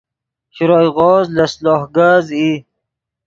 شروئے غوز لس لوہ کز ای